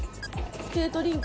スケートリンク？